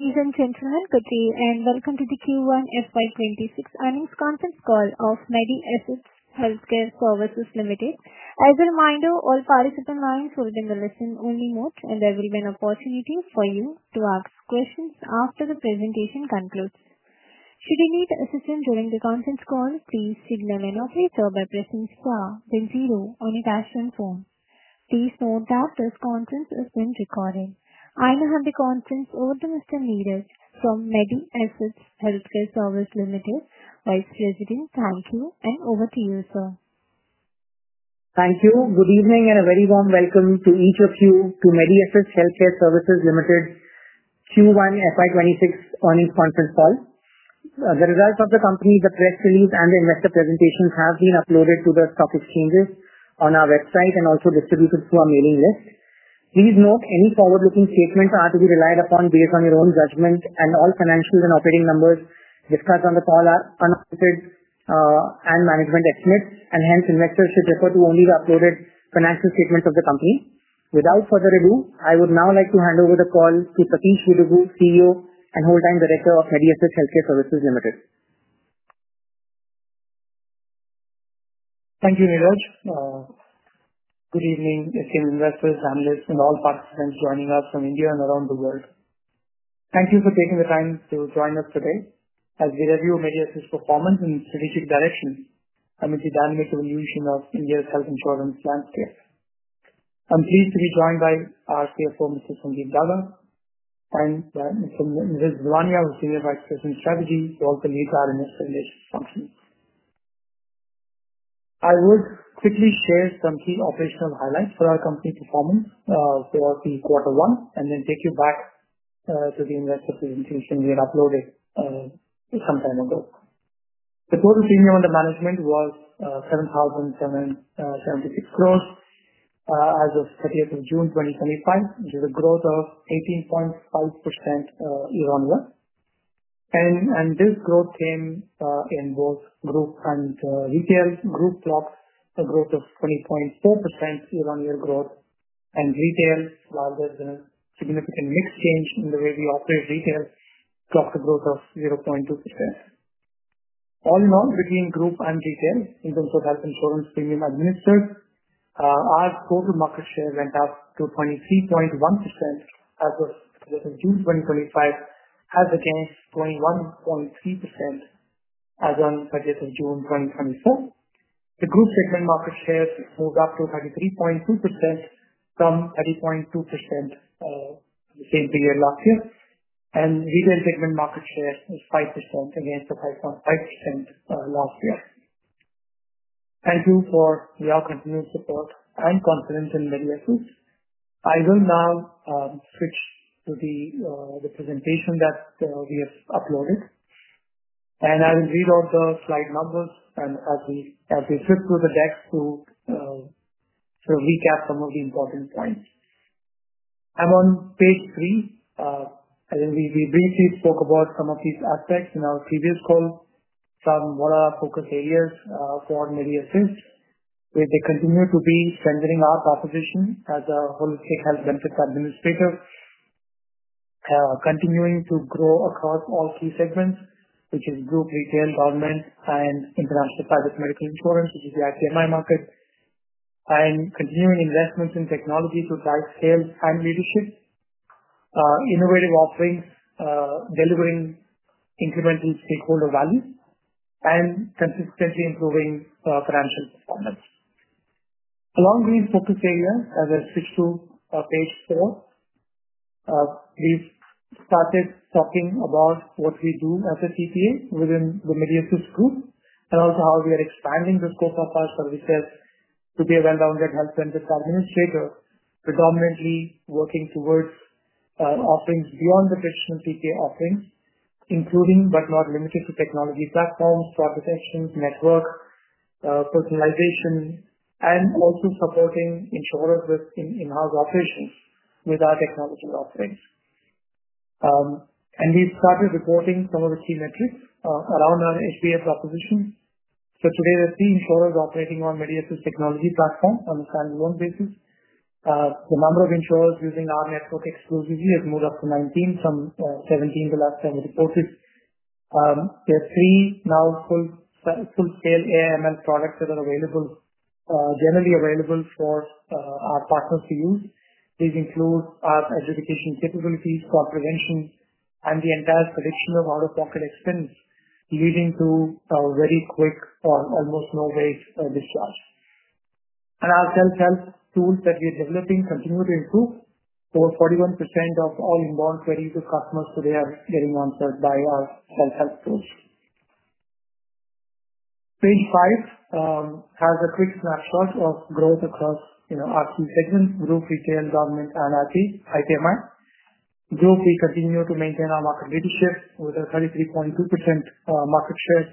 Please enter your entry number key, and welcome to the Q1 FY 2026 Earnings Conference Call of Medi Assist Healthcare Services Limited. As a reminder, all participants are in the session only mode, and there will be an opportunity for you to ask questions after the presentation concludes. Should you need assistance during the conference call, please signal an operator by pressing star then zero on your touch-tone phone. Please note that this conference is being recorded. I now hand the conference over to Mr. Niraj from Medi Assist Healthcare Services Limited, Vice President. Thank you, and over to you, sir. Thank you. Good evening and a very warm welcome to each of you to Medi Assist Healthcare Services Limited Q1 FY 2026 Earnings Conference Call. The results of the company, the press release, and the investor presentations have been uploaded to the Stock Exchanges, on our website, and also distributed to our mailing list. Please note any forward-looking statements are to be relied upon based on your own judgment, and all financials and operating numbers described on the call are unaudited and management except, and hence investors should prefer to only be updated financial statements of the company. Without further ado, I would now like to hand over the call to Satish Gidugu, CEO and Whole-Time Director of Medi Assist Healthcare Services Limited. Thank you, Niraj. Good evening, esteemed investors, analysts, and all participants joining us from India and around the world. Thank you for taking the time to join us today as we review Medi Assist Healthcare Services Limited's performance and strategic direction amid the dynamic evolution of India's health insurance landscape. I'm pleased to be joined by our CFO, Mr. Sandeep Daga, and Mr. Niraj Didwania, who is Senior Vice President of Strategy, who also leads our investor relations function. I will quickly share some key operational highlights for our company's performance for Q1 and then take you back to the investor presentation we had uploaded some time ago. The total premium under management was 7,076 crore as of June 30, 2025, which is a growth of 18.5% YoY. This growth came in both group and retail. Group clocked a growth of 20.4% YoY, and retail, while there's a significant mix change in the way we operate retail, clocked a growth of 0.2%. All in all, between group and retail, in terms of health insurance premium administered, our total market share went up to 23.1% as of June 30, 2025, as against 21.3% as of June 30, 2024. The group segment market share moved up to 33.2% from 30.2% the same period last year, and retail segment market share is 5% against the 5.5% last year. Thank you for your continued support and confidence in Medi Assist Healthcare Services Limited. I will now switch to the presentation that we have uploaded, and I will read off the slide numbers as we switch to the next to recap some of the important points. I'm on page three. As we briefly spoke about some of these aspects in our previous call, some broader focus areas for Medi Assist where they continue to be centering our proposition as a holistic health benefits administrator, continuing to grow across all key segments, which is group, retail, government, and international private medical insurance, which is the IPMI market, and continuing investments in technology to drive sales and leadership, innovative offerings, delivering incremental stakeholder values, and consistently improving financial performance. Along these focus areas, I will switch to page zero. We started talking about what we do as a TPA within the Medi Assist Healthcare Services Limited group and also how we are expanding the scope of our services to be a well-rounded health benefits administrator, predominantly working towards offerings beyond the traditional TPA offering, including but not limited to technology platforms, transportation, network, personalization, and also supporting insurers with in-house operations with our technology offerings. We have started reporting some of the key metrics around our HVF proposition. Today, we are seeing insurers operating on Medi Assist Healthcare Services Limited technology platform on a standalone basis. The number of insurers using our healthcare exclusively has moved up to 19 from 17 the last time we reported. There are three now full-scale AI/ML products that are available, generally available for our partners to use. These include our education capabilities for prevention and the entire prediction of out-of-pocket expense, leading to a very quick or almost no-wait discharge. Our self-help tools that we are developing continue to improve. Over 41% of all inbound queries of customers today are getting answered by our home health tools. Page five has a quick snapshot of growth across our key segments: group, retail, government, and IPMI. Growth, we continue to maintain our market leadership with a 33.2% market share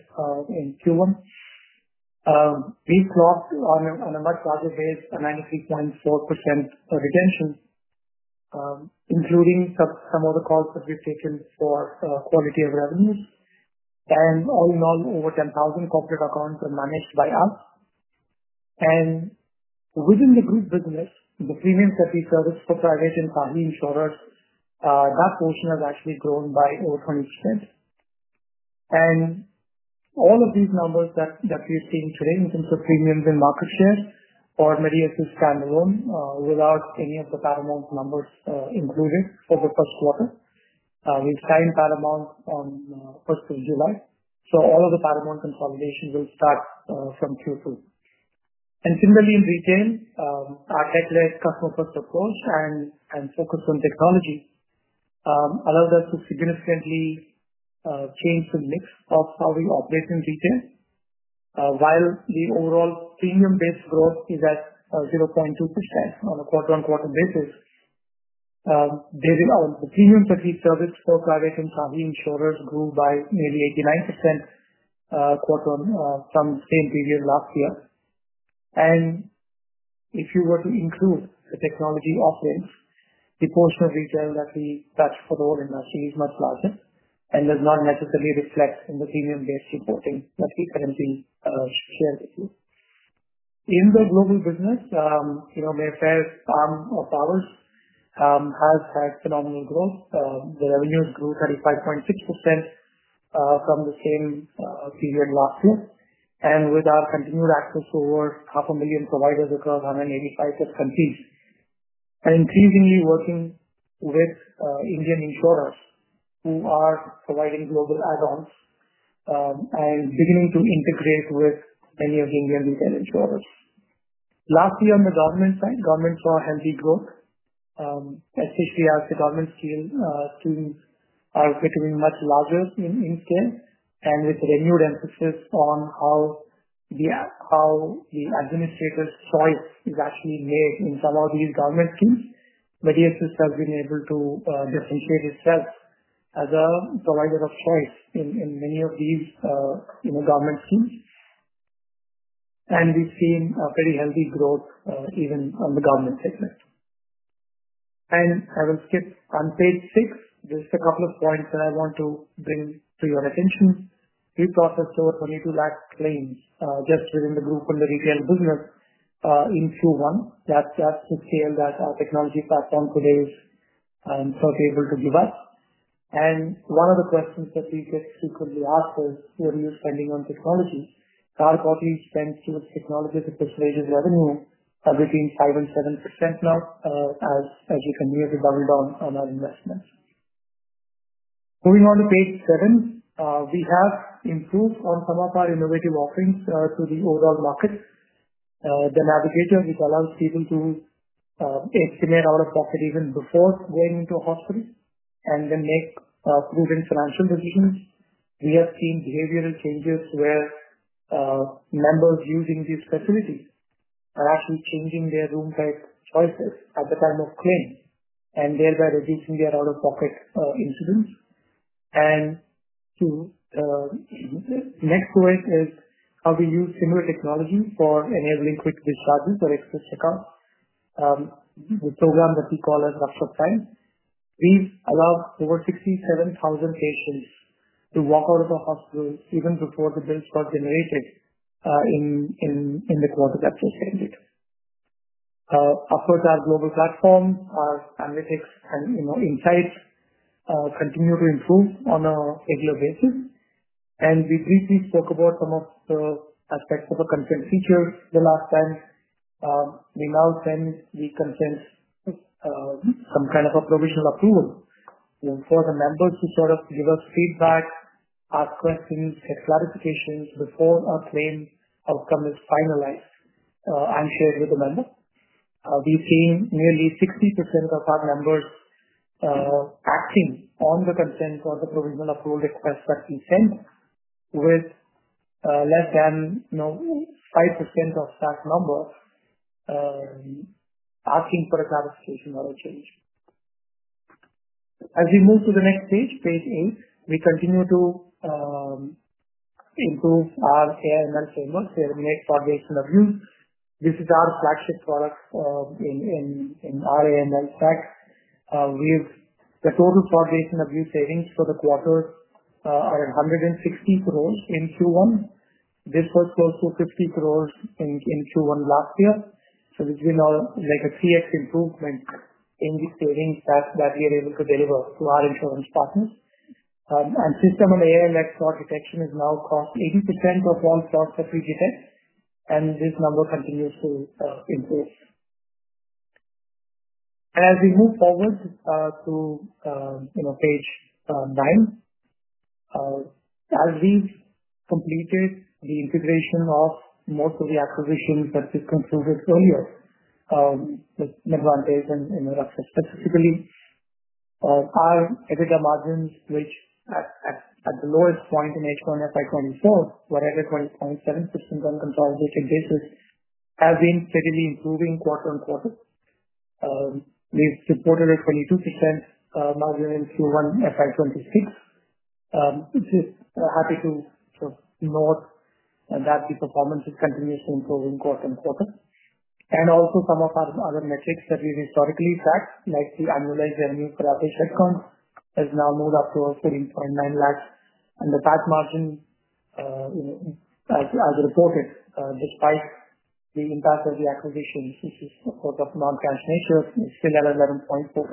in Q1. We have clocked on a much larger base, a 93.4% retention, including some of the calls that we have taken for quality of revenue. All in all, over 10,000 corporate accounts are managed by us. Within the group business, the premium copy service for private and family insurers, that portion has actually grown by over 20%. All of these numbers that we have seen today in terms of premiums and market share are on Medi Assist standalone without any of the Paramount numbers included in the first quarter. We have signed Paramount Health Services on July 1, 2025. All of the Paramount consolidation will start from Q2. Similarly, in retail, our headless customer-first approach and focus on technology allowed us to significantly change the mix of how we operate in retail. While the overall premium-based growth is at 0.2% on a quarter-on-quarter basis, the premium that we serviced for private and family insurers grew by nearly 89% quarter from the same period last year. If you were to include the technology offerings, the portion of retail that we touch for the whole industry is much larger, and that does not necessarily reflect in the premium-based reporting that we currently share with you. In the global business, the main sales arm of ours has had phenomenal growth. The revenues grew 35.6% from the same period last year. With our continued access to over half a million providers across 185+ countries, and increasingly working with Indian insurers who are providing global add-ons and beginning to integrate with any of the Indian retail insurers, last year, on the government side, governments saw a healthy growth. SCCS, the government schemes, are becoming much larger in scale and with renewed emphasis on how the administrators' choice is actually made in some of these government schemes. Medi Assist has been able to differentiate itself as a provider of choice in many of these government schemes. We've seen a pretty healthy growth even on the government segment. I will skip on page six, just a couple of points that I want to bring to your attention. We processed over 22 lakh claims just within the group and the retail business in Q1. That's the scale that our technology platform today is able to give us. One of the questions that we frequently get asked is, "What are you spending on technology?" Our corporation spends huge technology-specialization revenue of between 5% and 7% now, as you can hear, we double down on our investments. Moving on to page seven, we have improved on some of our innovative offerings to the overall market. The Navigator, which allows people to estimate out-of-pocket even before going into a hospital and then make proven financial decisions, we have seen behavioral changes where members using these facilities are actually changing their room type choices at the time of claim and thereby reducing their out-of-pocket incidents. To let go of it is how we use similar technology for enabling quick discounting for excess accounts. The program that we call as Raksha Prime, we've allowed over 67,000 patients to walk out of a hospital even before the bills got generated in the quarter that was ended. Of course, our global platform, our analytics, and insights continue to improve on a regular basis. We briefly spoke about some of the aspects of the consent feature the last time. We now send the consents, some kind of a provisional approval. You know, for the members who thought of to give us feedback, ask questions, get clarifications before our claim outcome is finalized and shared with the member. We've seen nearly 60% of our members acting on the consent or the provisional approval request that we send, with less than 5% of that number asking for a clarification or a change. As we move to the next page, page eight, we continue to improve our AI/ML framework to eliminate fraud-based interviews. This is our flagship product in our AI/ML track. The total fraud-based interview savings for the quarter are at 160 crore in Q1. This was close to 50 crore in Q1 last year. This has been a serious improvement in the savings that we are able to deliver to our insurance partners. The system on AIMS fraud detection is now called 80% performs fraud testing GTS. This number continues to improve. As we move forward to page nine, as we've completed the integration of most of the acquisitions that we've considered earlier, just make one case and in reference specifically, our EBITDA margins, which at the lowest point in H1 FY 2026 we saw, whatever it was, only 7% on a consolidated basis, have been steadily improving quarter-on-quarter. We've supported a 22% margin in Q1 FY 2026 district, which is happy to sort of note that the performance is continuously improving quarter on quarter. Also, some of our other metrics that we've historically tracked, like the annualized revenue per average headcount, has now moved up to a steady 0.9 lakh. The PAT margin, as reported, despite the impact of the acquisition, which is out of non-franchise, is still at 11.4%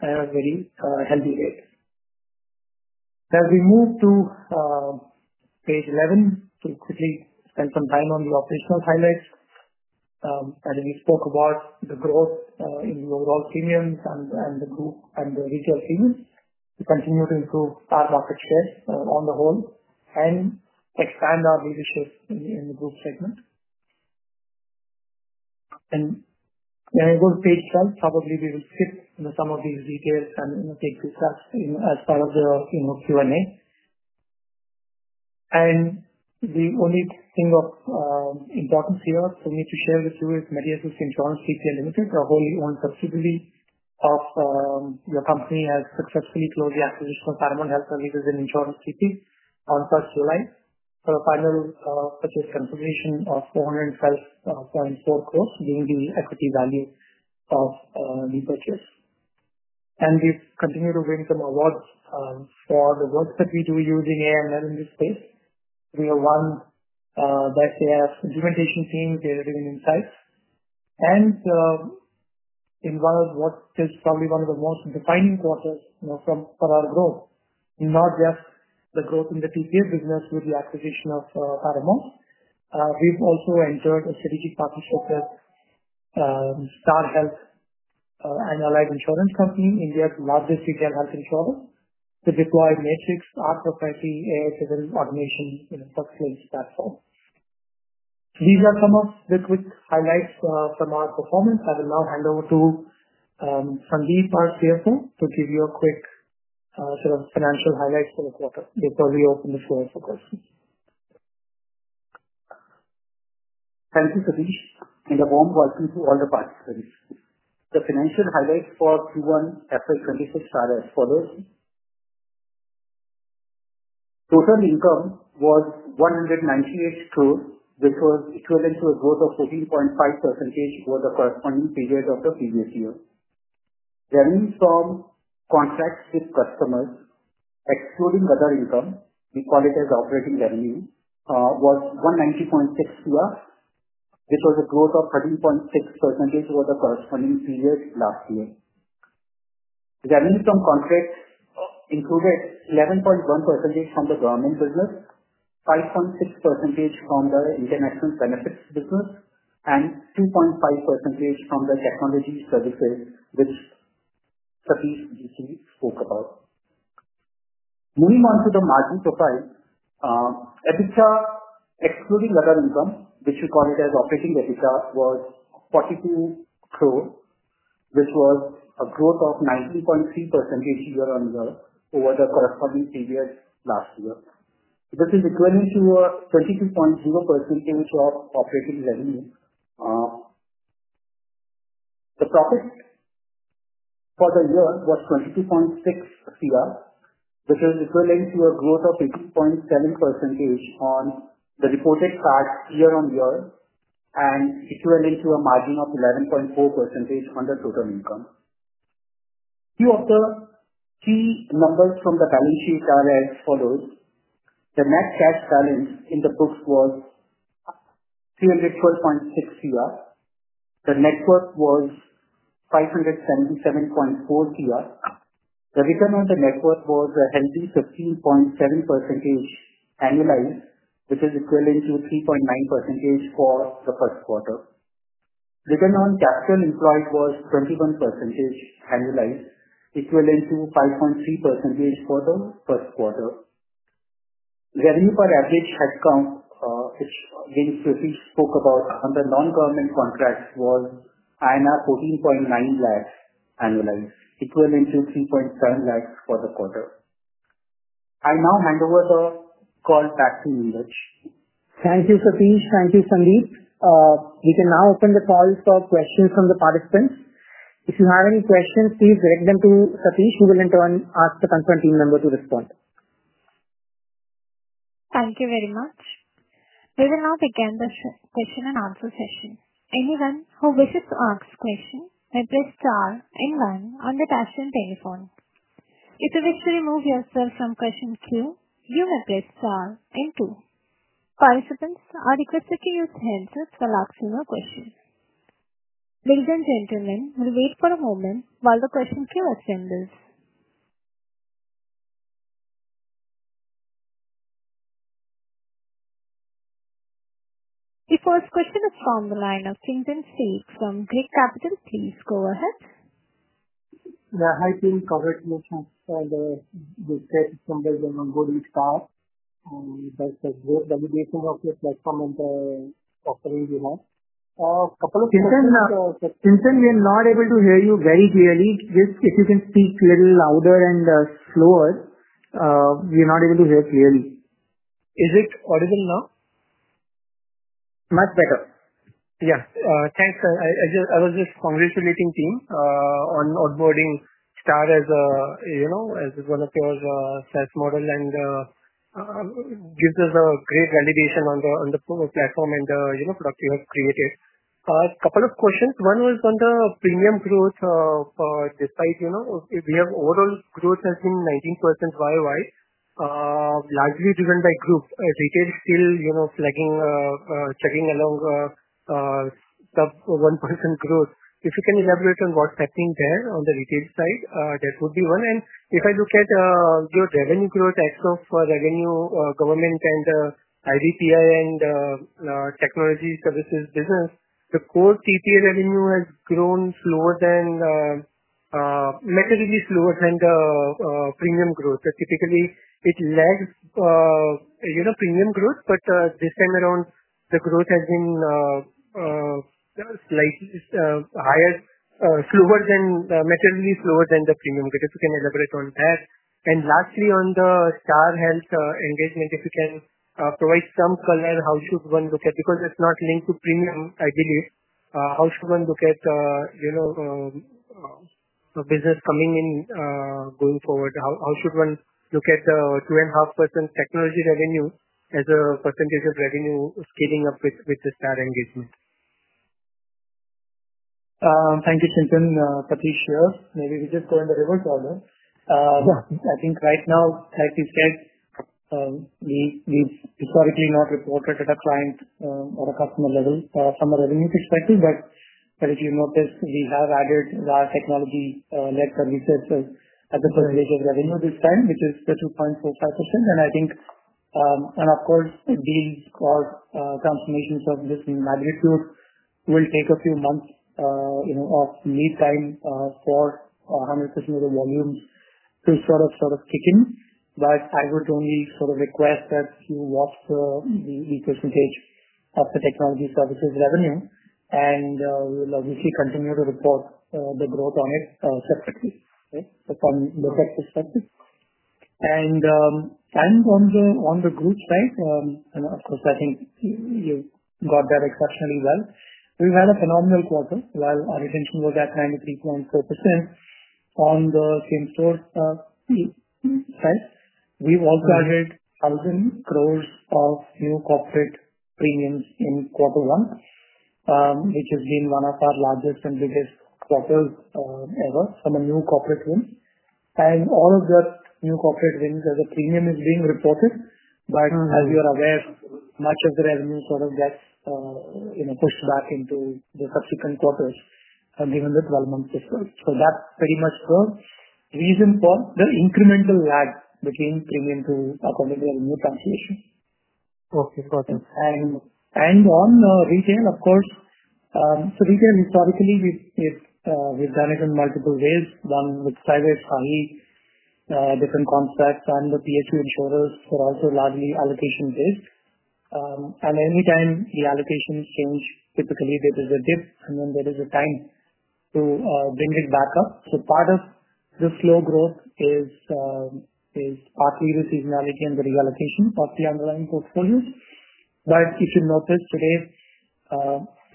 and at a very healthy rate. As we move to page 11, we'll quickly spend some time on the operational highlights. As we spoke about the growth in the overall premiums and the group and the regional teams, we continue to improve our market shares on the whole and expand our leadership in the group segment. When I go to page 12, probably we will skip some of these details and take this up as part of the Q&A. The only thing of importance here, we need to share this with Medi Assist Insurance TPA Limited, our wholly owned subsidiary of your company, has successfully closed the acquisition of Paramount Health Services and Insurance CP on such new lines for a final purchase confirmation of 412.4 crore being the equity value of Liberty Health. We've continued to win some awards for the work that we do using AI/ML in this space. We are one that they have given to H&C in data-driven insights. In what is probably one of the most defining quarters from our growth, not just the growth in the TPA business with the acquisition of Paramount Health Services, we've also entered a strategic partnership with Star Health and Allied Insurance Company, India's largest retail health insurer, to deploy Matrix our propriety AI-driven automation in first claims platform. These are some of the quick highlights from our performance. I will now hand over to Sandeep Daga, our CFO, to give you a quick sort of financial highlights for the quarter before we open the floor for questions. Thank you, Satish. A warm welcome to all the participants. The financial highlights for Q1 FY 2026 are as follows. Total income was 198 crores, which was equivalent to a growth of 13.5% over the corresponding period of the previous year. Revenues from contracts with customers, excluding other income, we call it as operating revenue, was 190.6 crores, which was a growth of 13.6% over the corresponding period last year. Revenue from contracts included 11.1% from the government business, 5.6% from the international benefits business, and 2.5% from the technology services, which Sandeep briefly spoke about. Moving on to the market supply, EBITDA, excluding other income, which we call it as operating EBITDA, was 42 crores, which was a growth of 90.3% year on year-over-the corresponding period last year. This is equivalent to 22.0% of operating revenue. The profit for the year was 22.6 crores, which is equivalent to a growth of 18.7% on the reported tax year-on-year and equivalent to a margin of 11.4% on the total income. A few of the key numbers from the balance sheet are as follows. The net cash balance in the books was 312.6 crores. The net worth was 577.4 crores. The return on the net worth was a healthy 15.7% annualized, which is equivalent to 3.9% for the first quarter. Return on capital employed was 21% annualized, equivalent to 5.3% for the first quarter. Revenue for average headcount, which, again, Sandeep spoke about, under non-government contracts was INR 14.9 lakhs annualized, equivalent to 3.7 lakhs for the quarter. I now hand over the call back to Niraj. Thank you, Satish. Thank you Sandeep. We can now open the call for questions from the participants. If you have any questions, please direct them to Satish, who will then ask the conference team member to respond. Thank you very much. We will now begin the question and answer session. Anyone who wishes to ask a question may press star and one on the touch-tone telephone. If you wish to remove yourself from question queue, you may press star and two. Participants are requested to use handsets while asking a question. Ladies and gentlemen, we'll wait for a moment while the questions are assembled. The first question is from the line of Chintan Sheth from Girik Capital. Please go ahead. That's the designation of the platform and the offering we want. A couple of questions. Chintan, we are not able to hear you very clearly. If you can speak a little louder and slower, we are not able to hear clearly. Is it audible now? Much better. Yeah. Thanks. I was just congratulating team on onboarding Star as a, you know, as one of our SaaS models and gives us a great validation on the platform and the product we have created. A couple of questions. One was on the premium growth. Despite, you know, we have overall growth has been 19% YoY, largely driven by groups. Retail is still, you know, flagging along a sub-1% growth. If you can elaborate on what's happening there on the retail side, that would be one. If I look at your revenue growth as of revenue government and IPMI and technology services business, the core PPA revenue has grown slower than, measurably slower than the premium growth. Typically, it lags, you know, premium growth, but this time around, the growth has been, slightly, higher, slower than, measurably slower than the premium growth. If you can elaborate on that. Lastly, on the Star Health engagement, if you can provide some color, how could one look at, because it's not linked to premium, I believe, how should one look at, you know, a business coming in, going forward? How should one look at the 2.5% technology revenue as a percentage of revenue scaling up with the Star engagement? Thank you, Chintan. Satish here. Maybe we just go in the reverse order. I think right now, like we said, we've historically not reported at a client or a customer level from a revenue perspective. If you notice, we have added large technology-led services as a percentage of revenue this time, which is the 2.45%. I think, and of course, the deals or combinations of this magnitude will take a few months of lead time for 100% of the volume to sort of kick in. I would only sort of request that you watch the increasing pace of the technology services revenue. We'll obviously continue to report the growth on it from the tech perspective. I think on the group side, and of course, I think you got that exceptionally well. We've had a phenomenal quarter while our retention was at 93.4%. On the same store, we've also added 1,000 crore of new corporate premiums in quarter one, which has been one of our largest and biggest quarters ever from a new corporate win. All of that new corporate wins as a premium is being reported. As you're aware, much of the revenue sort of gets pushed back into the subsequent quarters and even the 12 months itself. That's pretty much the reason for the incremental lag between premium to a corporate revenue calculation. Okay. Got it. On the retail, of course, retail historically, we've done it in multiple ways. One with private parties, different contracts, and the PSU insurers were also largely allocation-based. Anytime the allocation changes, typically there is a dip, and then there is a time to bring it back up. Part of the slow growth is our previous technology and the reallocation of the underlying portfolio. If you notice, today,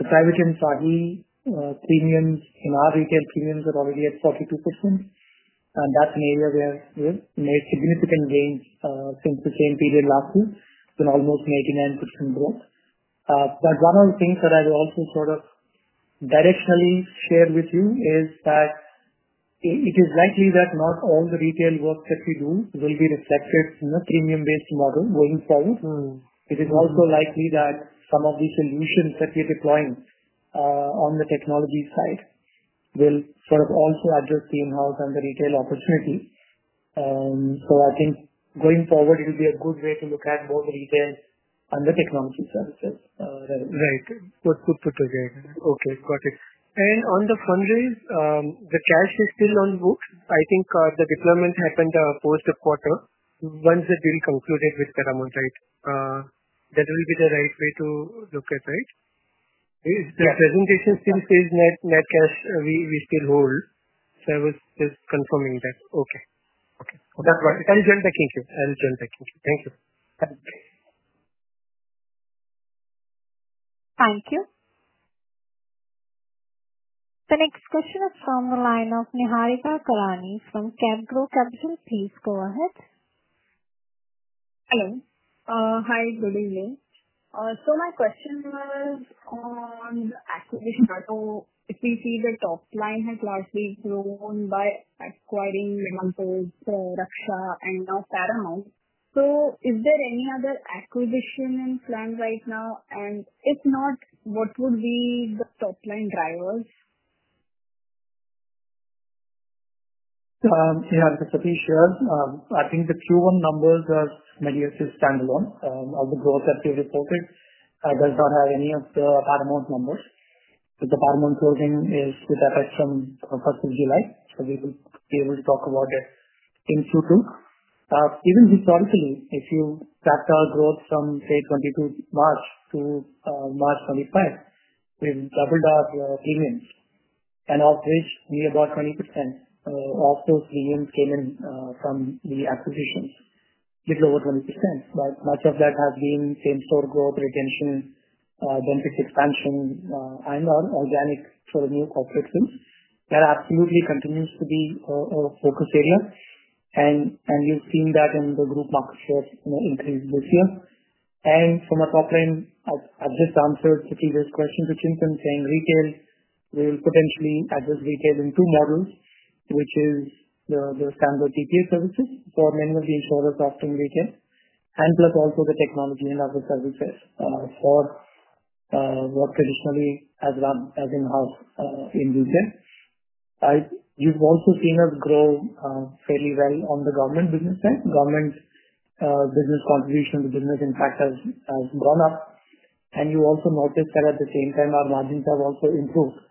the private and private premium in our retail premiums are already at 42%. That's an area where we've made significant gains since the same period last year, with almost 89% growth. One of the things that I will also sort of directionally share with you is that it is likely that not all the retail work that we do will be reflected in a premium-based model going forward. It is also likely that some of the solutions that we're deploying on the technology side will sort of also underpin house and the retail opportunity. I think going forward, it will be a good way to look at both retail and the technology services. Right, good, put together. Okay, got it. On the fundraise, the cash is still on the book. I think the deployment happened post the quarter. Once the deal concluded with Paramount Health Services, that will be the right way to look at it, right? The presentation still stays net as we still hold. I was just confirming that. Okay. Okay. I'll join back in queue. Thank you. Thank you. Thank you. The next question is from the line of Niharika Karnani from CapGrow Capital. Please go ahead. Hello. Hi. Good evening. My question was on the acquisition. If we see, the top line has largely grown by acquiring Rukshra and now Paramount. Is there any other acquisition in plan right now? If not, what would be the top line drivers? Yeah. Satish, sure. I think the Q1 numbers are Medi Assist standalone. All the growth that we've reported does not have any of the Paramount numbers. The Paramount closing is with the effects from the 1st of July. We would be able to talk about it in Q2. Even historically, if you track our growth from, say, 2022 March to March 2025, we've doubled our premiums, and of which, we have about 20% of those premiums came in from the acquisitions, a little over 20%. Much of that has been same-store growth, retention, bonus expansion, and our organic for the new corporate win. That absolutely continues to be a focus area. We've seen that in the group market shares increase this year. From a top line, I've just answered the previous question, which is in terms of saying retail, we'll potentially address retail in two models, which is the standard TPA services, so a minimum insurer customer retail, and plus also the technology and other services for what traditionally has run as in-house in retail. You've also seen us grow fairly well on the government business side. Government business contribution to business, in fact, has gone up. You also noticed that at the same time, our margins have also improved.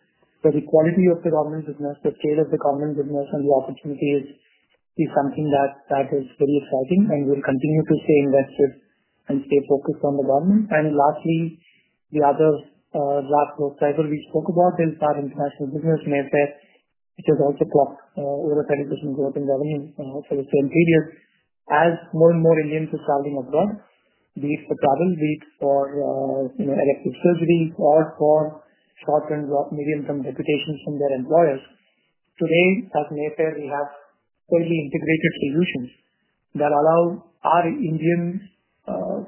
The quality of the government business, the state of the government business, and the opportunity is something that is very exciting and will continue to stay invested and stay focused on the government. Lastly, the other platforms we spoke about, then start international business, Mayfair, which has also clocked over a 30% growth in government for the same period. As more and more Indians are traveling abroad, be it for travel, be it for elective surgeries, or for short-term or medium-term reputations from their employers, today at Mayfair, we have fully integrated solutions that allow our Indian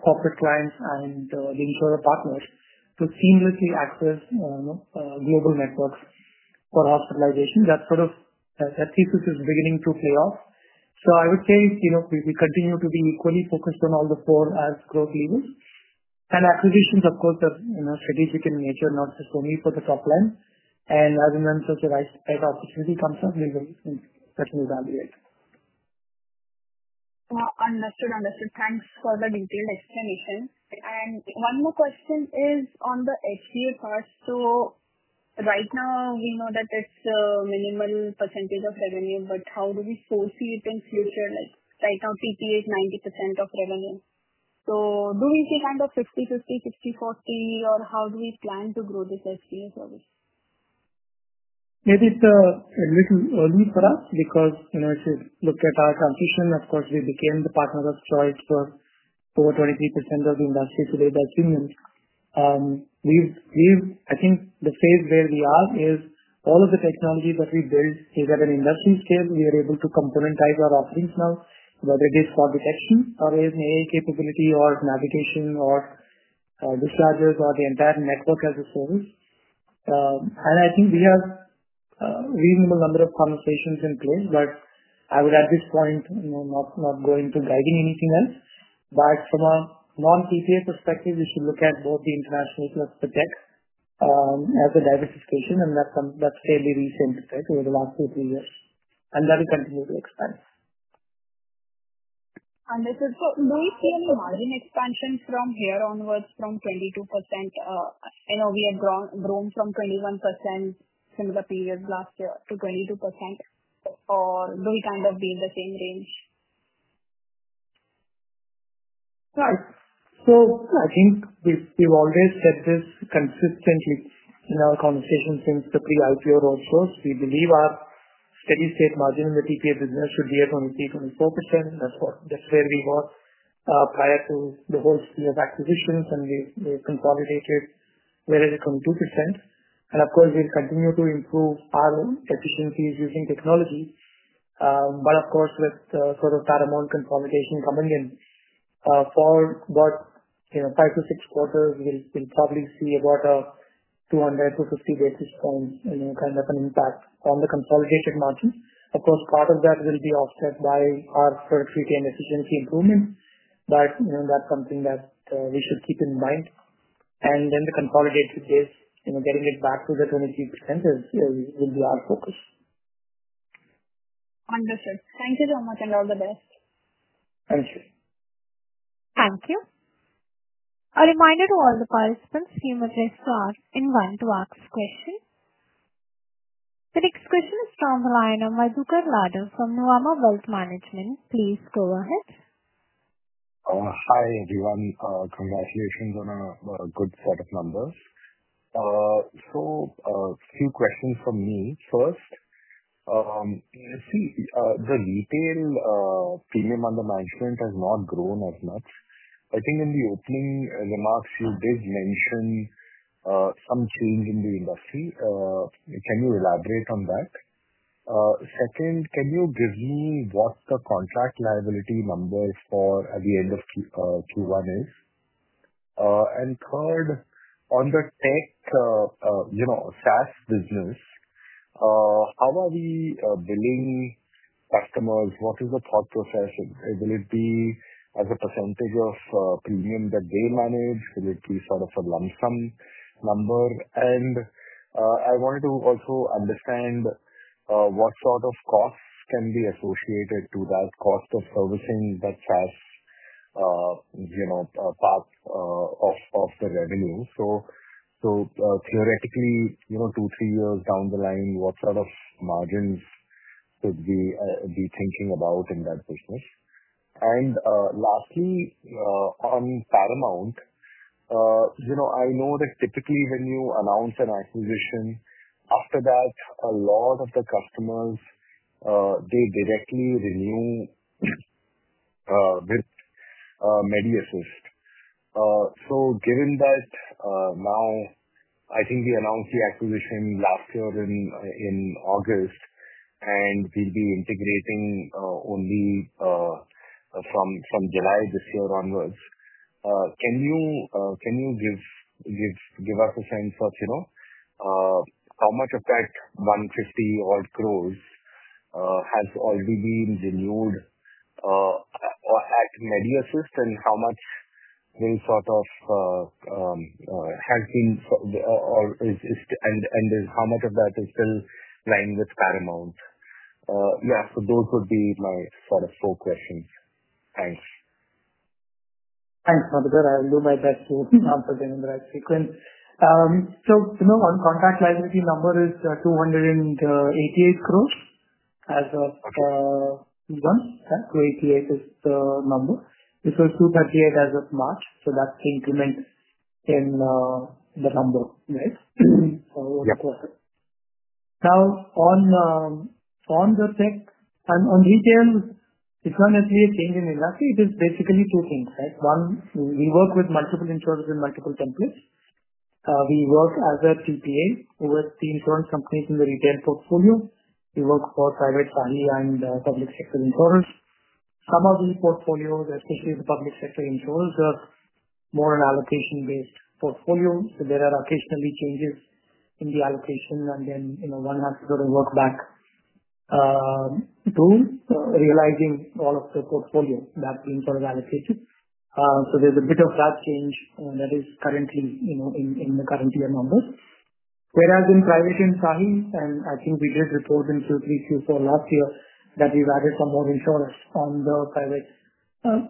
corporate clients and the insurer partners to seamlessly access global networks for hospitalization. That sort of ethics is beginning to pay off. I would say we continue to be equally focused on all the four as growth levels. Acquisitions, of course, have a significant nature not just only for the top line. As and when such a right type of opportunity comes up, we will certainly evaluate. Understood. Thanks for the detailed explanation. One more question is on the SEO cost. Right now, we know that there's a minimal percentage of revenue, but how do we foresee it in the future? Right now, PPA is 90% of revenue. Do we keep on the 50/50, 50/40, or how do we plan to grow the HBA service? It's a little early for us because if you look at our competition, of course, we became the partner of choice for over 23% of the industry today by premium. I think the phase where we are is all of the technology that we built here at an investment scale, we are able to complementize our offerings now, whether it is for detection or AI capability or navigation or dispatchers or the entire network as a service. I think we have a reasonable number of conversations in place. I would at this point not go into guiding anything else. From a non-PPA perspective, we should look at both the international plus the tech as a diversification and that's fairly recent over the last two or three years. That will continue to expand. We've seen volume expansion from here onwards from 22%. I know we had grown from 21% similar period last year to 22% or will kind of be in the same range. Right. I think we've always said this consistently in our conversations since the pre-IPO roadmap. We believe our steady state margin in the PPA business should be around 24%. That's where we were prior to the whole acquisitions, and we've consolidated where it is at 22%. Of course, we'll continue to improve our own efficiencies using technology. With Paramount consolidation coming in, for about five to six quarters, we'll probably see about a 200 to 250 basis point kind of an impact on the consolidated margins. Part of that will be offset by our short-term decisions improvement. That's something that we should keep in mind. The consolidated base, getting it back to that 22% is our focus. Understood. Thank you so much and all the best. Thank you. Thank you. A reminder to all the participants, you may raise your hand to ask questions. The next question is from the line of Madhukar Ladha from Nuvama Wealth Management. Please go ahead. Hi, everyone. Congratulations on a good set of numbers. A few questions from me. First, you see the retail premium under management has not grown as much. I think in the opening remarks, you did mention some change in the industry. Can you elaborate on that? Second, can you give me what the contract liability numbers for at the end of Q1 is? Third, on the tech SaaS business, how are we billing customers? What is the thought process? Will it be as a percentage of premium that they manage? Will it be sort of a lump sum number? I wanted to also understand what sort of cost can be associated to that cost of servicing that SaaS part of the revenue. Theoretically, you know, two, three years down the line, what sort of margins should we be thinking about in that business? Lastly, on Paramount, I know that typically when you announce an acquisition, after that, a lot of the customers, they directly renew with Medi Assist. Given that now, I think we announced the acquisition last year in August, and we'll be integrating only from July of this year onwards, can you give us a sense of how much of that 150 crore has already been renewed at Medi Assist and how much has been and how much of that is still lying with Paramount? Yeah. Those would be my four questions. Thanks. Thanks, Madhukar. I will do my best to answer them in the right sequence. To know one, contract liability number is 288 crore as of Q1. 288 is the number. It was 238 as of March. That's the increment in the number, right? Yes. Now, on the tech and on retail, it's not actually a change in industry. It is basically two things, right? One, we work with multiple insurers in multiple countries. We work as a TPA with the insurance companies in the retail portfolio. We work for private party and public sector insurers. Some of the portfolios that we see in the public sector insurers are more an allocation-based portfolio. There are occasionally changes in the allocation, and then one has to go to work back to realizing all of the portfolio that's being allocated. There's a bit of that change that is currently in the current year number. Whereas in private and privy, and I think we did report in Q3, Q4 last year that we've added some more insurers on the private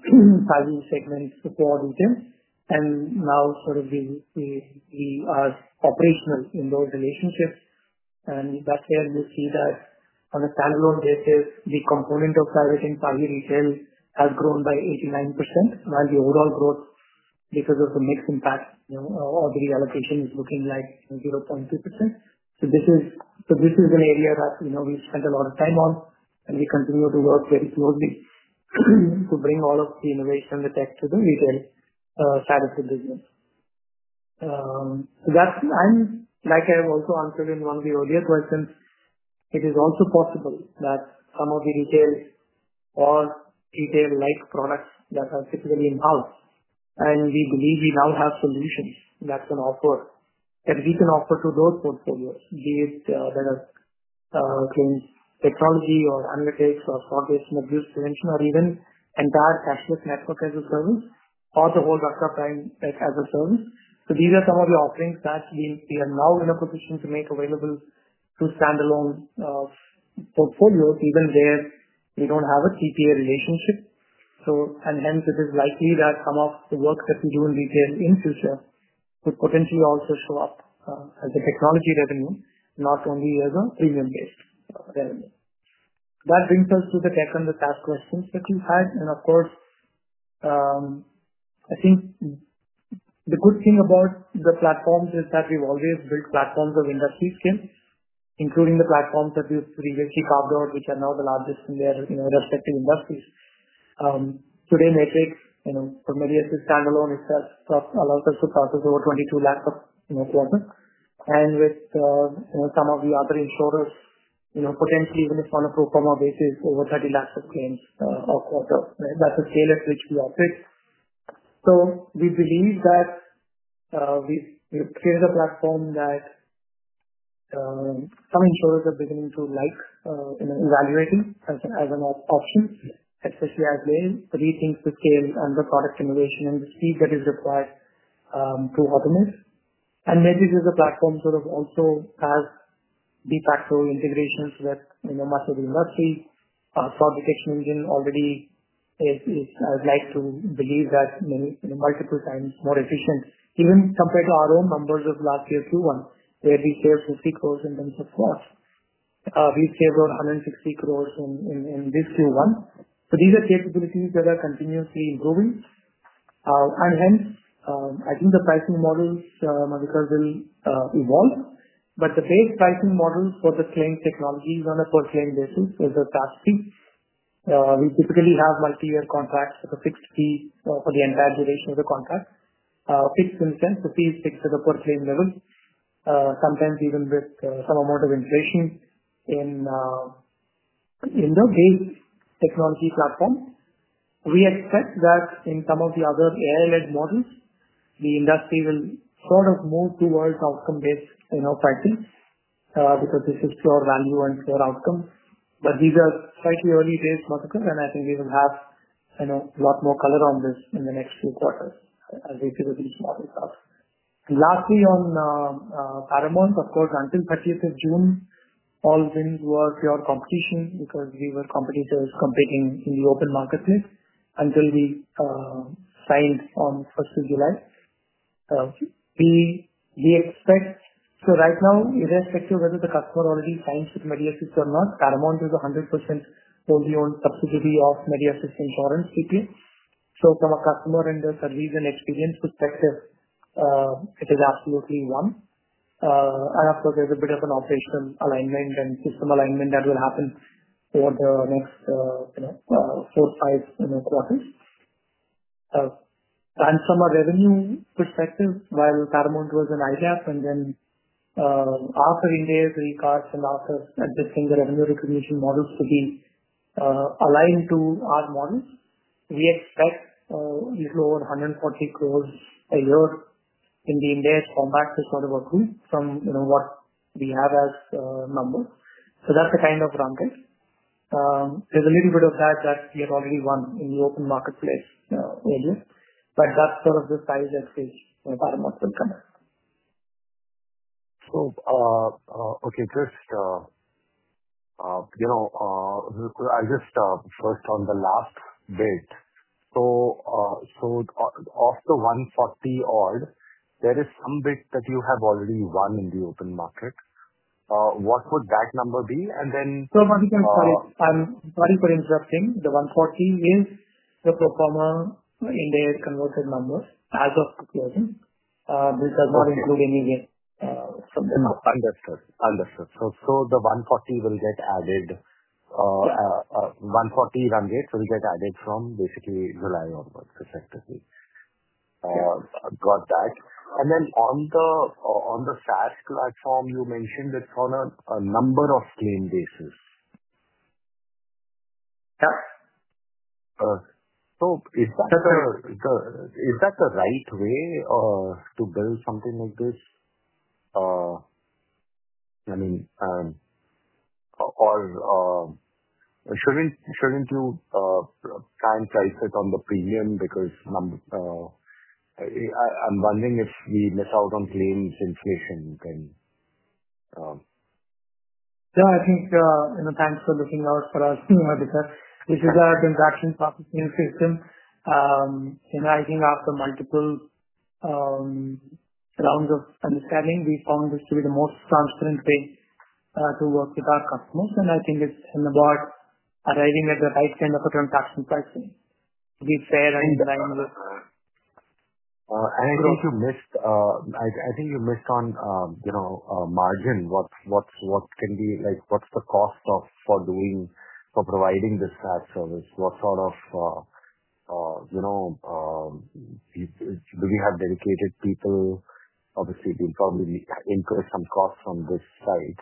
private segments for retail. Now we are operational in those relationships. That's where you see that on a standalone basis, the component of private and private retail has grown by 89% while the overall growth, because of the mixed impact, you know, or the reallocation is looking like 0.2%. This is an area that we spend a lot of time on, and we continue to work very closely to bring all of the innovation and the tech to the retail side of the business. Like I have also answered in one of the earlier questions, it is also possible that some of the retail or retail-like products that are typically in-house, and we believe we now have solutions that can offer that we can offer to those portfolios, be it whether it's claims technology or analytics or fraud risk reduction or even entire cashless network as a service or the whole backup plan as a service. These are some of the offerings that we are now in a position to make available to standalone portfolios even where we don't have a TPA relationship. Hence, it is likely that some of the work that we do in retail in the future will potentially also show up as a technology revenue, not only as a premium-based revenue. That brings us to the tech and the SaaS questions that we've had. Of course, I think the good thing about the platforms is that we've always built platforms of industry scale, including the platforms that we've previously covered, which are now the largest in their respective industries. Today, Matrix, you know, from Medi Assist standalone itself allows us to process over 22 lakhs a quarters. With some of the other insurers, you know, potentially even if on a pro forma basis, over 3 million claims a quarter. That's the scale at which we operate. We believe that we've created a platform that some insurers are beginning to like evaluating as an option, especially as they rethink the chain on the product innovation and the speed that is required to automate. This is a platform with deep platform integrations with much of the industry. Our fraud detection engine already is, I would like to believe, multiple times more efficient, even compared to our own numbers of last year Q1, where we saved 50 crore in terms of cost. We've saved about 160 crore in this Q1. These are capabilities that are continuously improving. I think the pricing models, Madhukar, will evolve. The base pricing models for the claim technology are on a per-claim basis. It's a SaaS fee. We typically have multi-year contracts with a fixed fee for the entire duration of the contract, fixed in the sense the fee is fixed at the per-claim level, sometimes even with some amount of integration in the base technology platform. We expect that in some of the other AIMS models, the industry will move towards outcome-based in our practice because this is pure value and pure outcome. These are slightly early days, Madhukar, and I think we will have a lot more color on this in the next few quarters as we figure these models out. Lastly, on Paramount, until June 30, all entertainings were pure competition because we were competitors competing in the open marketplace until we signed on July 1. Right now, irrespective of whether the customer already owns it, Medi Assist or not, Paramount is a 100% wholly owned subsidiary of Medi Assist Insurance, PPA. From a customer and the service and experience perspective, it is absolutely one. There is a bit of an operational alignment and system alignment that will happen over the next four to five quarters. From a revenue perspective, while Paramount was an TPA and then after India's recourse and after adjusting the revenue recognition models to be aligned to our models, we expect a little over 140 crore a year in the IndAS fombat for the work group from what we have as a number. That's the kind of run test. We're a little bit of that that we are already one in the open marketplace only. That's the size and stage in the Paramount system. Okay. Of the 140 odd, there is some bid that you have already won in the open market. What would that number be? What is interesting, the 140 is the pro forma in their converted numbers as of situation, which does not include any gains. Understood. Understood. The 140 will get added. 140 run rates will get added from basically July onwards, effectively. Got that. On the SaaS platform, you mentioned it's on a number of claim bases. Yeah. Is that the right way to build something like this? I mean, shouldn't you try and price it on the premium because I'm wondering if we miss out on claims inflation thing. Yeah, I think, you know, thanks for looking out for us, Madhukar. It is our transaction processing system. I think after multiple rounds of understanding, we found this to be the most transparent way to work with our customers. I think it's about arriving at the right kind of transaction pricing. I think you missed on, you know, margin. What can be, like, what's the cost for doing, for providing this SaaS service? What sort of, you know, do we have dedicated people? Obviously, we probably incur some costs on this side.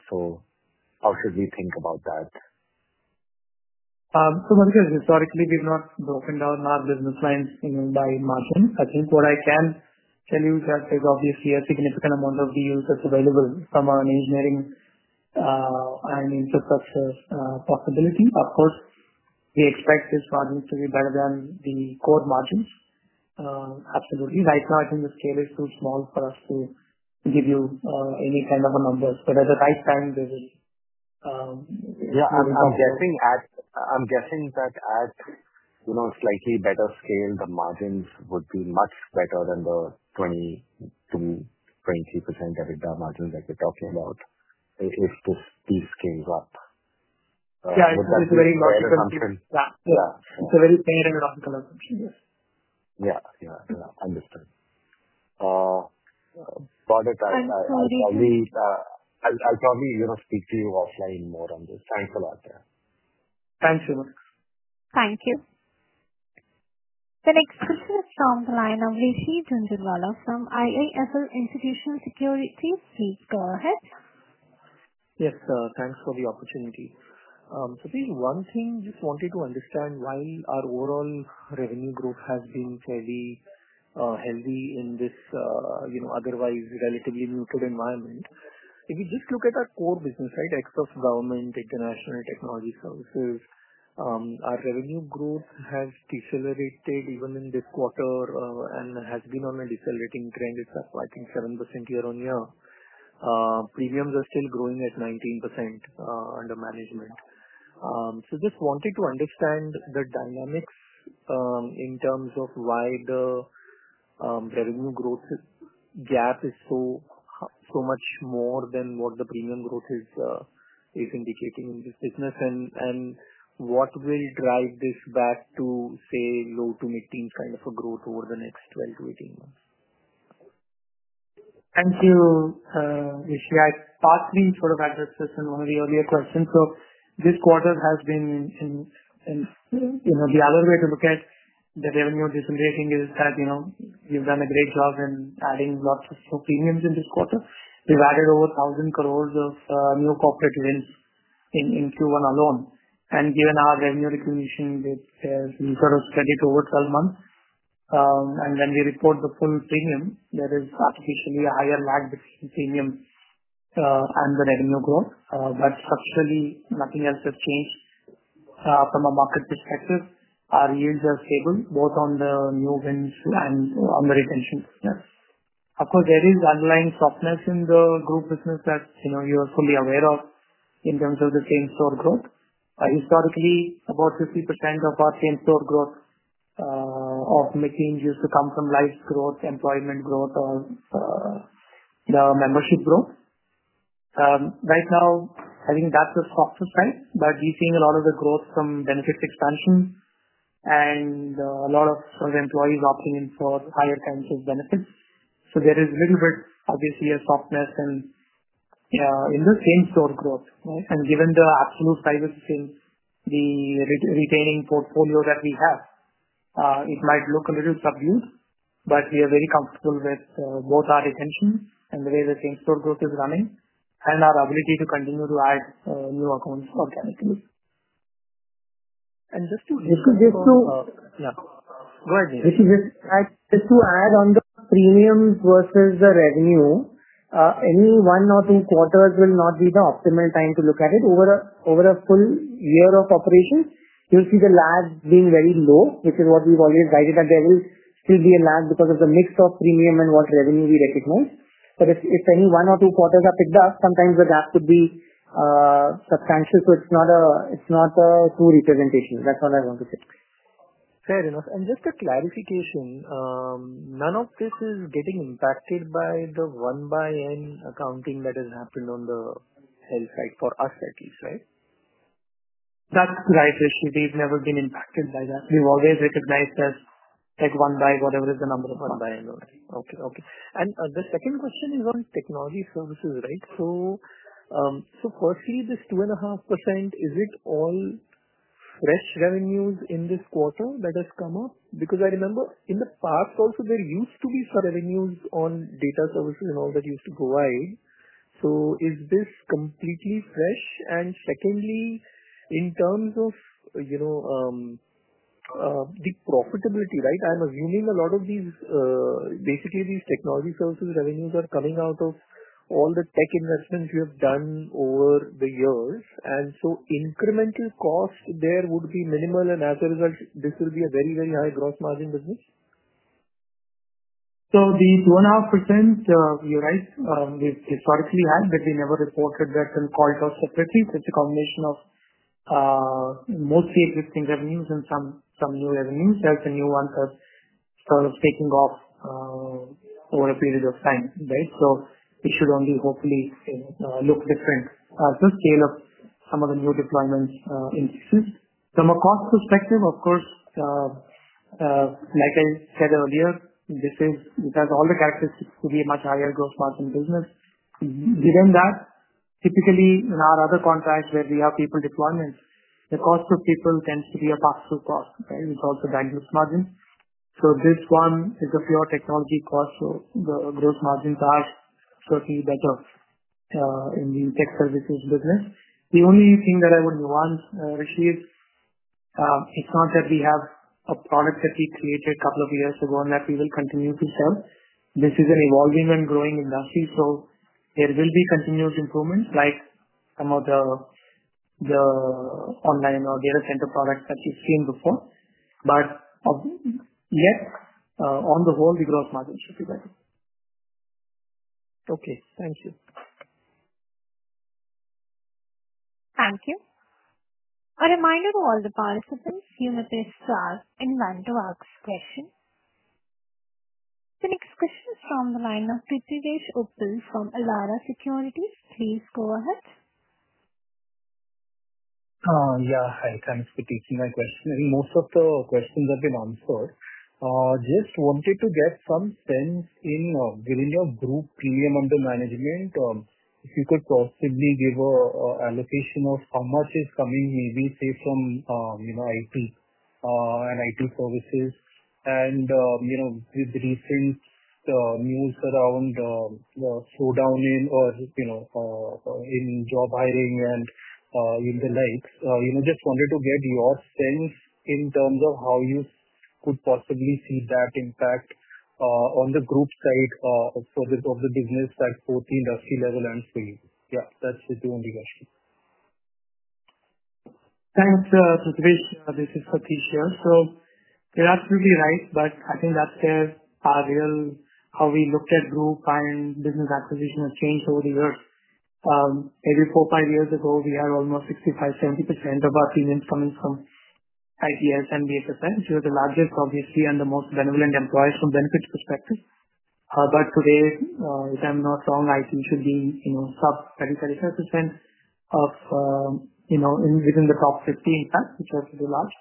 How should we think about that? Madhukar, historically, we've not broken down our business lines by margins. I think what I can tell you is that there's obviously a significant amount of deals that's available from an engineering and infrastructure possibility. Of course, we expect these margins to be better than the core margins. Right now, I think the scale is too small for us to give you any kind of numbers. At the right time, this is, yeah. I'm guessing that at, you know, slightly better scale, the margins would be much better than the 20% of the margins that you're talking about if the two scales up. Yeah, it's a very fair and rational approach. Yeah. Understood. Got it. I'll probably speak to you offline more on this. Thanks a lot. Thanks you. Thank you. The next question is from the line of Rishi Jhunjhunwala from IIFL Institutional Securities. Please go ahead. Yes. Thanks for the opportunity. Satish, one thing I just wanted to understand, why our overall revenue growth has been fairly healthy in this, you know, otherwise relatively lucrative environment. If you just look at our core business, right, excess government, international technology services, our revenue growth has decelerated even in this quarter and has been on a decelerating trend. It's up, I think, 7% year-on-year. Premiums are still growing at 19% under management. I just wanted to understand the dynamics in terms of why the revenue growth gap is so much more than what the premium growth is indicating in this business and what will drive this back to, say, low to mid-teens kind of a growth over the next 12 to 18 months. Thank you. If you had thoughtfully sort of addressed this in one of the earlier questions, this quarter has been, in the other way to look at the revenue deceleration, we've done a great job in adding lots of premiums in this quarter. We've added over 1,000 crore of new corporate wins in Q1 alone. Given our revenue recognition, which says we've got a credit over 12 months, and then we report the full premium, there is artificially a higher lag between premium and the revenue growth. Subsequently, nothing else has changed from a market perspective. Our yields are stable, both on the new wins and on the retentions. Of course, there is underlying softness in the group business that you know you are fully aware of in terms of the same-store growth. Historically, about 50% of our same-store growth of machines used to come from lives growth, employment growth, or the membership growth. Right now, I think that's a softer side, but we've seen a lot of the growth from benefits expansion and a lot of employees opting in for higher kinds of benefits. There is a little bit, obviously, a softness in the same-store growth. Given the absolute size of the retaining portfolio that we have, it might look a little subdued, but we are very comfortable with both our retention and the way the same-store growth is running and our ability to continue to add new accounts or clients. Just to hit this, yeah, go ahead. If you just try to add on the premium versus the revenue, any one or two quarters will not be the optimal time to look at it. Over a full year of operations, you'll see the lags being very low, which is what we've always guided that there will still be a lag because of the mix of premium and what revenue we recognize. If any one or two quarters are picked up, sometimes the gap could be substantial. It's not a true representation. That's what I want to say. Fair enough. Just a clarification, none of this is getting impacted by the one-by-one accounting that has happened on the home side for us, at least, right? That's right, Rishi. We've never been impacted by that. We've always recognized as take one by whatever is the number of one-by-one on it. Okay. Okay. The second question is on technology services, right? This 2.5%, is it all fresh revenues in this quarter that has come up? I remember in the past, also, there used to be some revenues on data services and all that used to go away. Is this completely fresh? In terms of the profitability, right? I'm assuming a lot of these, basically, these technology services revenues are coming out of all the tech investments you have done over the years. Incremental costs there would be minimal, and as a result, this would be a very, very high gross margin business. The 2.5%—you're right—we historically had, but we never reported that to the point of operating such a combination of mostly existing revenues and some new revenues that the new ones are sort of taking off over a period of time, right? It should only hopefully look different as the scale of some of the new deployments increases. From a cost perspective, like I said earlier, this has all the characteristics to be a much higher gross margin business. Given that typically in our other contracts where we have people deployments, the cost of people tends to be a pass-through cost, right? It's also that gross margin. This one is a pure technology cost, so the gross margin ties per se better in the technology services business. The only thing that I would want, Rishi, is it's not that we have a product that we created a couple of years ago and that we will continue to sell. This is an evolving and growing industry. There will be continuous improvement, like some of the online or data center products that you've seen before. On the whole, the gross margin should be better. Okay, thank you. Thank you. A reminder to all the participants, you may raise your hands to ask questions. The next question is from the line of Prithvish Uppal from Elara Securities. Please go ahead. Yeah. Hi. Thanks for taking that question. I think most of the questions have been answered. I just wanted to get some sense in, given your group premium under management, if you could possibly give an allocation of how much is coming in, say, from, you know, IT and IT services. With the recent news around the slowdown in, or, you know, in job hiring and in the like, you know, just wanted to get your sense in terms of how you could possibly see that impact on the group side of the business at both the industry level and for you. Yeah, that's the only question. Thanks, Rishi. This is Satish here. That's really nice, but I think that's where a little how we looked at group and business acquisition has changed over the years. Maybe four or five years ago, we had almost 65%-70% of our premiums coming from ITS and BFSI, which were the largest, obviously, and the most benevolent employers from a benefits perspective. Today, if I'm not wrong, IT should be sub-30%-35% of, you know, within the top 15 plus, which was the last.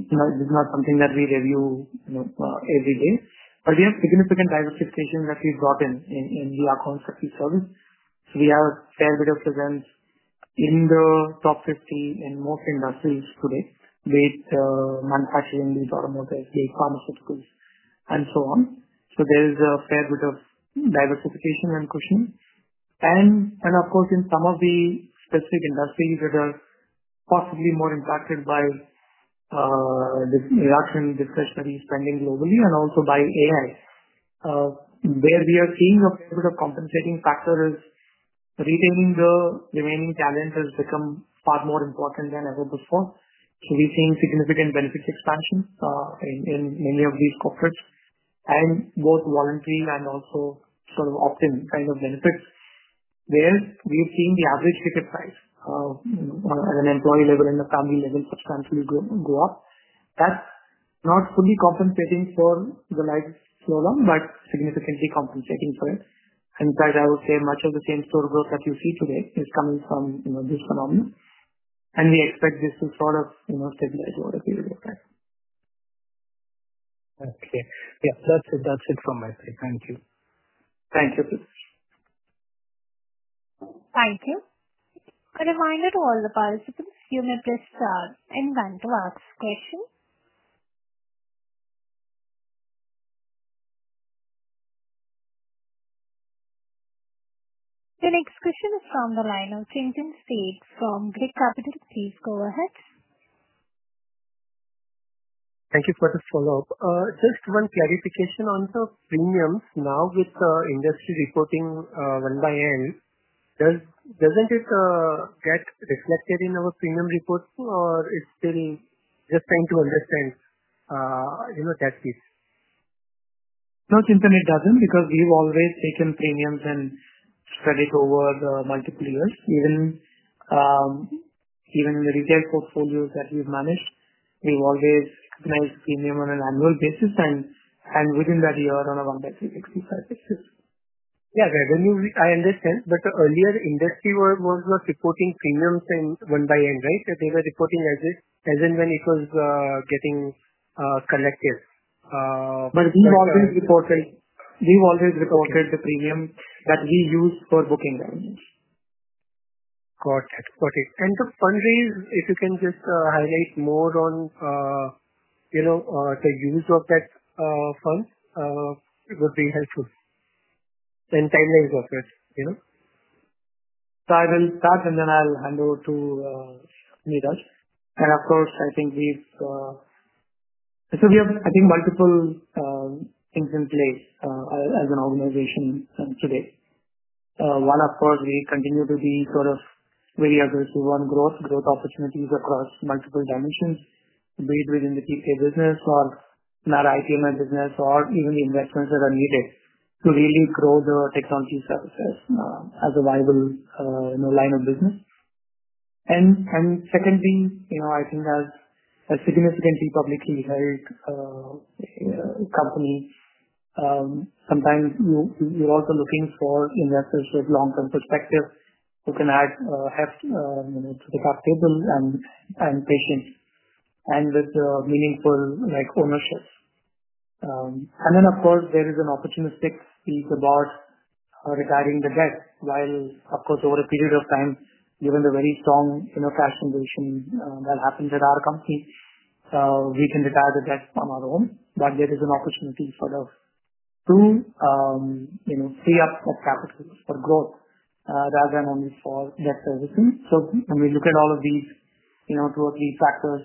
It's not something that we review every day. We have significant diversification that we've gotten in the accounts that we service. We have a fair bit of presence in the top 50 in most industries today, with manufacturing, with automotive, with pharmaceuticals, and so on. There's a fair bit of diversification and pushing. Of course, in some of the specific industries that are possibly more impacted by the Russian discretionary spending globally and also by AI, where we are seeing a bit of compensating factor is retaining the remaining talent has become far more important than ever before. We're seeing significant benefits expansion in many of these corporates, and both warranty and also sort of opt-in kind of benefits. Whereas we're seeing the average picket price at an employee level and a family level substantially go up. That's not fully compensating for the lags so long, but significantly compensating for it. In fact, I would say much of the same-store growth that you see today is coming from this phenomenon. We expect this to sort of steadily grow as we expect. Okay. Yeah, that's it from my side. Thank you. Thank you, please. Thank you. A reminder to all the participants, you may raise your hands to ask questions. The next question is from the line of Chintan Sheth from Girik Capital. Please go ahead. Thank you for the follow-up. Just one clarification on the premiums. Now, with industry reporting one by one, doesn't it get reflected in our premium reports, or it's still just trying to understand, you know, tax fees? No, Chintan, it doesn't because we've always taken premiums and spread it over the multiple years. Even the retail portfolios that we've managed, we've always seen them on an annual basis. Within that year, on a one-by-one basis? Yeah, I understand. Earlier, industry was not reporting premiums one by one, right? They were reporting as is, as and when it was getting collected. We have always reported the premium that we use for booking them. Got it. For fundraising, if you can just highlight more on, you know, the use of that fund, it would be helpful and timeline process. I'll run that and then I'll hand over to Niraj. I think we've, because we have, I think, multiple things in place as an organization today. One, of course, we continue to be sort of very aggressive on growth, growth opportunities across multiple dimensions, be it within the PPA business or in our international private medical insurance business or even the investments that are needed to really grow the technology services as a viable line of business. Secondly, I think as a significantly publicly held company, sometimes you're also looking for investors with long-term perspective who can add heft to the cap table and patience and with meaningful ownership. There is an opportunistic piece about retiring the debt. Of course, over a period of time, given the very strong net cash innovation that happened at our company, we can retire the debt on our own. There is an opportunity for the true free-up of capital for growth rather than only for debt servicing. When we look at all of these, two or three factors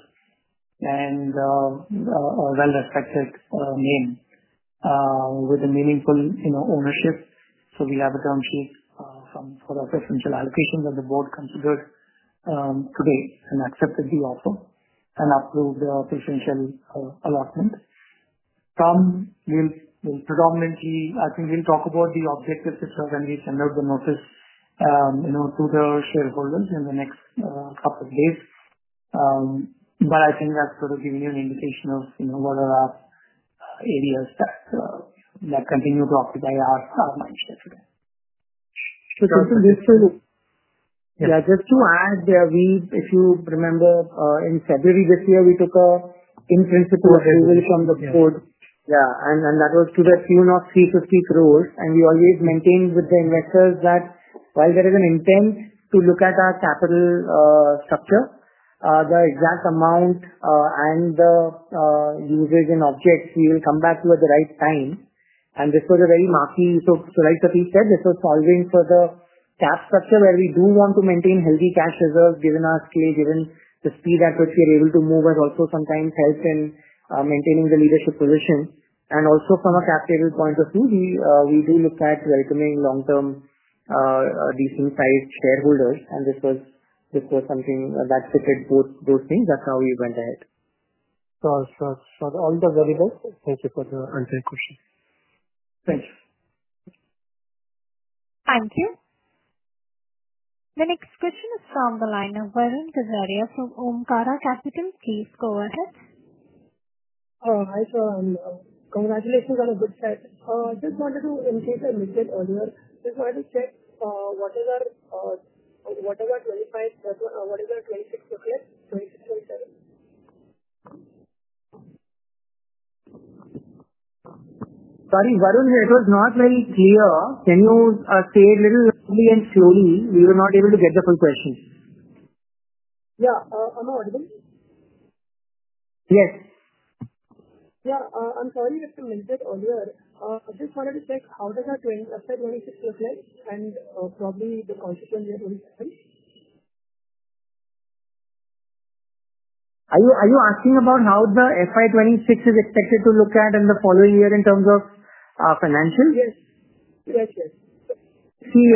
and, name, with a meaningful ownership. We have a ground sheet for our potential allocations that the board considered today and accepted the offer and approved the potential allotment. I think we'll talk about the objectives when we send out the notice to the shareholders in the next couple of days. I think that's sort of giving you an indication of what are our areas that continue to occupy our minds today. Just to add, if you remember, in February this year, we took an insurance approval from the board. That was to the tune of 350 crore. We always maintained with the investors that while there is an intent to look at our capital structure, the exact amount and the usage and objects, we will come back to at the right time. This was a very marquee too, right? Sandeep said this was for the capital structure where we do want to maintain healthy cash reserves given our scale, given the speed at which we are able to move, but also sometimes health in maintaining the leadership position. Also, from a cap table point of view, we do look at welcoming long-term decent-sized shareholders. This was something that fitted both those things. That's how we went ahead. All the variables were fitted for the answer to the question. Thank you. Thank you. The next question is from the line of Vernon Desoria of Omkara Capital. Please go ahead. Hi, Sandeep. Congratulations on a good start. I just wanted to, in case I missed it earlier, just wanted to check what is our FY 2025 and what is our FY 2026? Sorry, Vernon, it was not very clear. Can you say it a little quickly and slowly? We were not able to get the conversation. Yeah, I'm audible? Yes. I'm sorry if you missed it earlier. I just wanted to check how does our claims affect 2026 and probably the consequent year 2027? Are you asking about how the FY 2026 is expected to look at in the following year in terms of financials? Yes, yes. See,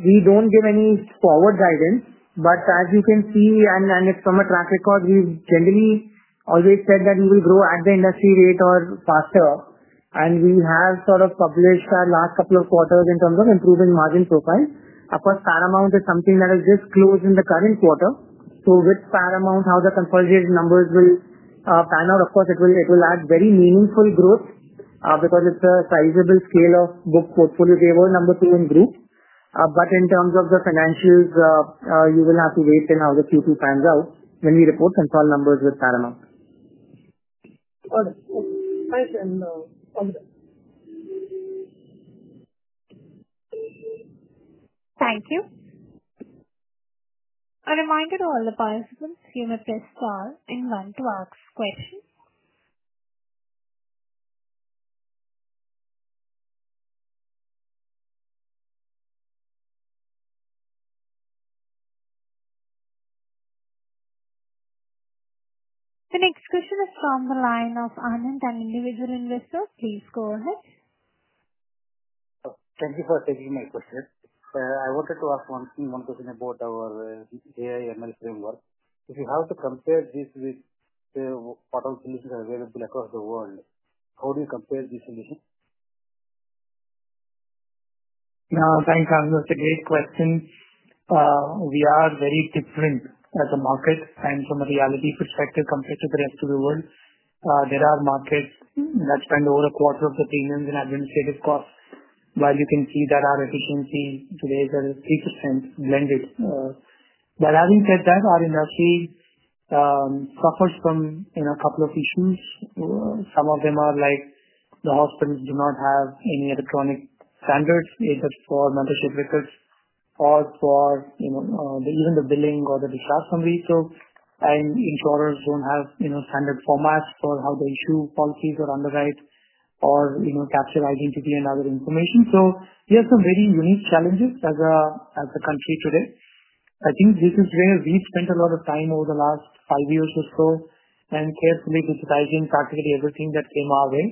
we don't give any forward guidance, but as you can see, and it's from a track record, we've generally always said that we will grow at the industry rate or faster. We have sort of published our last couple of quarters in terms of improving margin profile. Of course, Paramount is something that has just closed in the current quarter. With Paramount, how the consolidated numbers will pan out, of course, it will add very meaningful growth because it's a sizable scale of book portfolio giver number two in the group. In terms of the financials, you will have to wait and how the Q2 pans out when we report and tell numbers with Paramount. Got it. Okay, thanks. Thank you. A reminder to all the participants, you may press star and then two to ask questions. The next question is from the line of Anand, an Individual Investor. Please go ahead. Thank you for taking my question. I wanted to ask one thing, one question about our AI/ML framework. If you have to compare this with the other solutions available across the world, how do you compare these solutions? No, thank you. I think that's a great question. We are very different as a market. From a reality perspective, compared to the rest of the world, there are markets that spend over a quarter of the premiums in administrative costs, while you can see that our efficiency today is at 3% blended. That having said that, our industry suffers from a couple of issues. Some of them are like the hospitals do not have any electronic standards, either for membership records or for even the billing or the declared summary. Insurers don't have standard formats for how they issue policies or underwrite or capture identity and other information. We have some very unique challenges as a country today. I think this is where we've spent a lot of time over the last five years or so, carefully digitizing practically everything that came our way.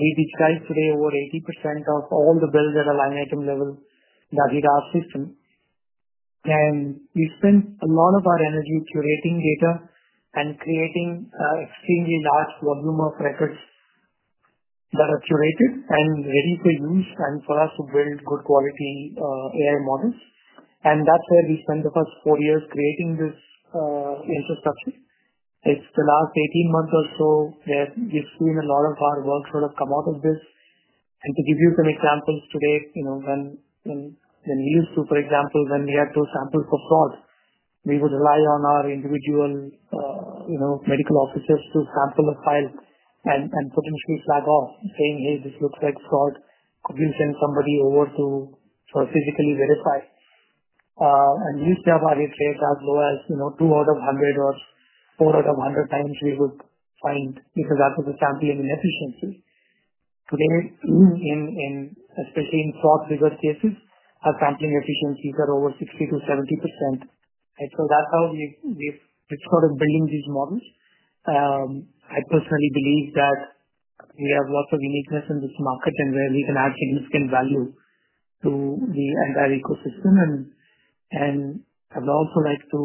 We digitize today over 80% of all the bills at a line item level that we've outsourced to. We spent a lot of our energy curating data and creating an extremely large volume of records that are curated and ready for use and for us to build good quality AI models. That's where we spent the first four years creating this infrastructure. It's the last 18 months or so where we've seen a lot of our work sort of come out of this. To give you some examples today, when in the news, for example, when we had to sample for fraud, we would rely on our individual medical officers to sample a file and potentially flag off saying, "Hey, this looks like fraud. Could you send somebody over to physically verify?" We've kept our risk rate as low as, you know, 2 out of 100 or 4 out of 100 times we would find if that was a sampling inefficiency. Today, especially in fraud-rigged cases, our sampling efficiencies are over 60%-70%. Right? That's how we've sort of built these models. I personally believe that we have lots of uniqueness in this market and where we can add significant value to the entire ecosystem. I would also like to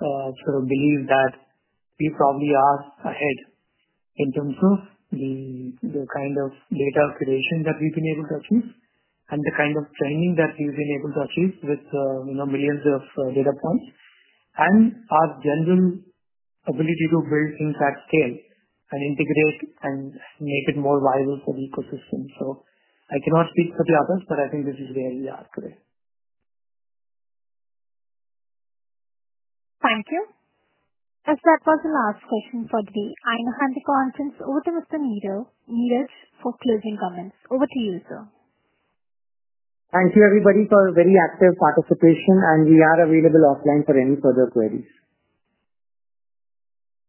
sort of believe that we probably are ahead in terms of the kind of data creation that we've been able to achieve and the kind of training that we've been able to achieve with, you know, millions of data points and our general ability to build things at scale and integrate and make it more viable for the ecosystem. I cannot speak for the others, but I think this is where we are today. Thank you. As that was the last question for today. I now hand the conference over to Mr. Niraj for closing comments. Over to you, sir. Thank you, everybody, for a very active participation. We are available offline for any further queries.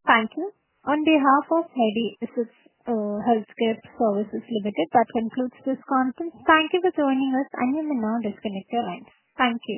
Thank you. On behalf of Medi Assist Healthcare Services Limited, that concludes this conference. Thank you for joining us. And you may now disconnect your lines. Thank you.